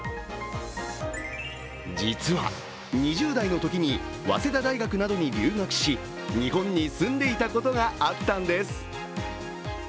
実は、２０代のときに早稲田大学などに留学し日本に住んでいたことがあったんです。